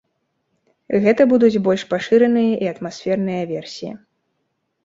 Гэта будуць больш пашыраныя і атмасферныя версіі.